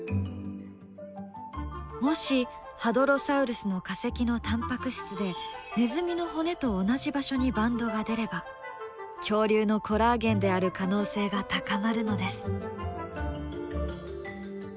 もしハドロサウルスの化石のタンパク質でネズミの骨と同じ場所にバンドが出れば恐竜のコラーゲンである可能性が高まるのです。